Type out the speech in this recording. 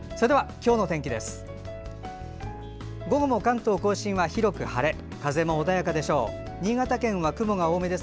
今日の天気です。